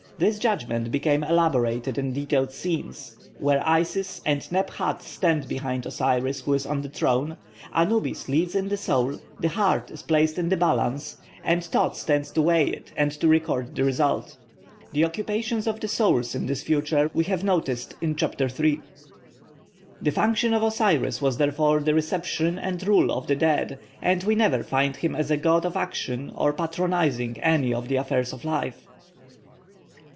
This judgment became elaborated in detailed scenes, where Isis and Neb hat stand behind Osiris who is on his throne, Anubis leads in the soul, the heart is placed in the balance, and Thōth stands to weigh it and to record the result. The occupations of the souls in this future we have noticed in chapter iii. The function of Osiris was therefore the reception and rule of the dead, and we never find him as a god of action or patronising any of the affairs of life.